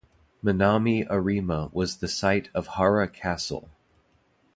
Minami-Arima was the site of Hara Castle.